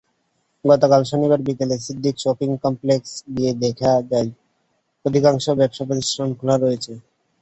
গতকাল শনিবার বিকেলে সিদ্দিক শপিং কমপ্লেক্সে গিয়ে দেখা যায়, অধিকাংশ ব্যবসাপ্রতিষ্ঠান খোলা রয়েছে।